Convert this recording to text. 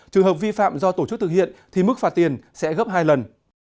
trường hợp vi phạm do tổ chức thực hiện thì mức phạt tiền sẽ gấp hai lần